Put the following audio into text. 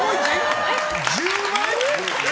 １０倍？